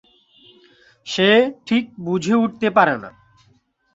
সে ঠিক বুঝে উঠতে পারে না।